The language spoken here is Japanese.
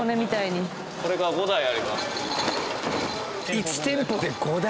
１店舗で５台！？